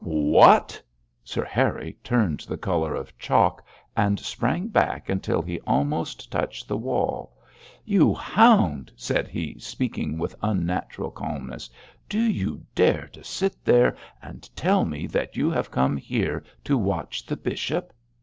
'What!!!' Sir Harry turned the colour of chalk, and sprang back until he almost touched the wall. 'You hound!' said he, speaking with unnatural calmness, 'do you dare to sit there and tell me that you have come here to watch the bishop?'